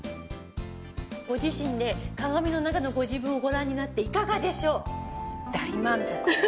ご自身で鏡の中のご自分をご覧になっていかがでしょう？